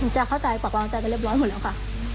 จะเข้าใจเป็นประมาณะใจอยู่เรียบร้อยแล้วค่ะ